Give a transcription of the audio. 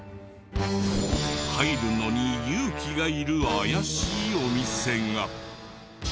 入るのに勇気がいる怪しいお店が。